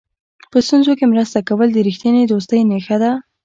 په ستونزو کې مرسته کول د رښتینې دوستۍ نښه ده.